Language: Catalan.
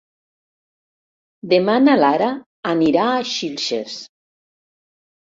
Demà na Lara anirà a Xilxes.